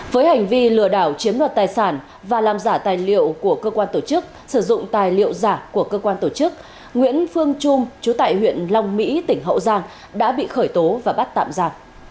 với hành vi lừa đảo chiếm đoạt tài sản và làm giả tài liệu của cơ quan tổ chức sử dụng tài liệu giả của cơ quan tổ chức nguyễn phương trung chú tại huyện long mỹ tỉnh hậu giang đã bị khởi tố và bắt tạm giả